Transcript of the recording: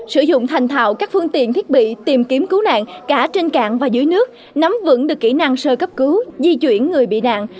sử dụng thành thạo các phương tiện thiết bị tìm kiếm cứu nạn cả trên cạn và dưới nước nắm vững được kỹ năng sơ cấp cứu di chuyển người bị nạn